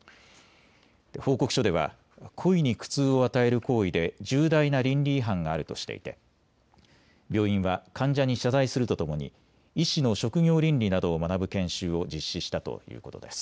報告書では故意に苦痛を与える行為で重大な倫理違反があるとしていて病院は患者に謝罪するとともに医師の職業倫理などを学ぶ研修を実施したということです。